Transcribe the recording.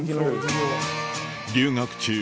留学中